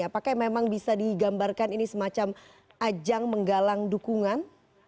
apakah memang bisa digambarkan ini semacam ajang menggalang dukungan